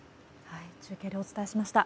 中継でお伝えしました。